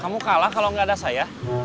kamu kalah kalau nggak ada saya